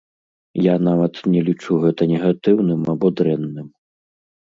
Я нават не лічу гэта негатыўным або дрэнным.